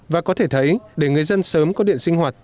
và có thể thấy để người dân sớm có điện sinh hoạt